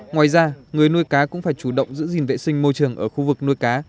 ngoài ra người nuôi cá cũng phải chủ động giữ gìn vệ sinh môi trường ở khu vực nuôi cá